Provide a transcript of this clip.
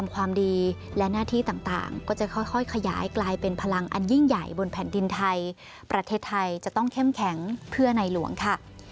กลายเป็นพลังอันยิ่งใหญ่บนแผ่นดินไทยประเทศไทยจะต้องเข้มแข็งเพื่อในหลวงค่ะ